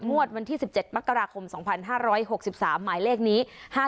งวดวันที่๑๗มกราคม๒๕๖๓หมายเลขนี้๕๗๕๙๘๓